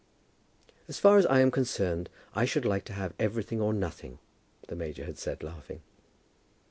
"As far as I am concerned, I should like to have everything or nothing," the major had said laughing.